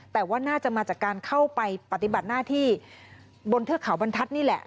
แต่ว่าน่าจะมาจากการเข้าไปปฏิบัติหน้าที่บนเทือกเขาบรรทัศน์นี่แหละ